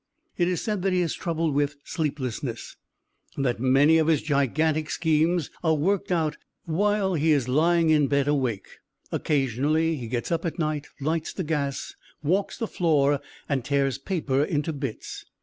It is said that he is troubled with sleeplessness, and that many of his gigantic schemes are worked out while he is lying in bed awake. Occasionally he gets up at night, lights the gas, walks the floor and tears paper into bits.